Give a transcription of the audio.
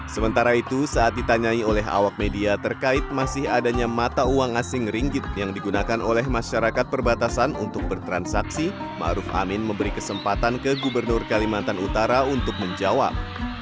sementara itu saat ditanyai oleh awak media terkait masih adanya mata uang asing ringgit yang digunakan oleh masyarakat perbatasan untuk bertransaksi ⁇ maruf ⁇ amin memberi kesempatan ke gubernur kalimantan utara untuk menjawab